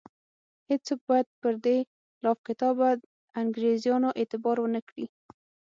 هیڅوک باید پر دې لافکتابه انګرېزانو اعتبار ونه کړي.